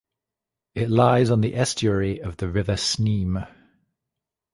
It lies on the estuary of the River Sneem.